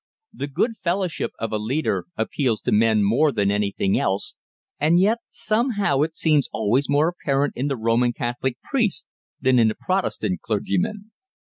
The good fellowship of a leader appeals to men more than anything else, and yet somehow it seems always more apparent in the Roman Catholic priest than in the Protestant clergyman.